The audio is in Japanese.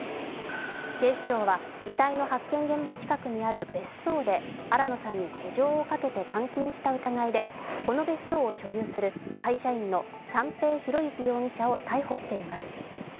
警視庁は遺体の発見現場近くにある別荘で新野さんに手錠をかけて監禁した疑いでこの別荘を所有する会社員の三瓶博幸容疑者を逮捕しています。